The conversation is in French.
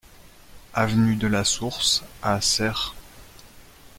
Avenue de la Source à Serres